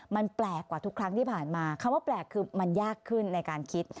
มันแปลกกว่าทุกครั้งที่ผ่านมาคำว่าแปลกคือมันยากขึ้นในการคิด